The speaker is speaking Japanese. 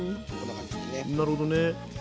なるほどね。